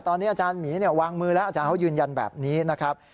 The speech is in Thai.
ตอนนี้อาจารย์หมีวางมือแล้วอาจารย์เขายืนยันแบบนี้นะครับ